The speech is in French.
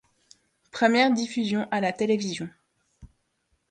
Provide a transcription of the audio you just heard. Première diffusion à la télévision.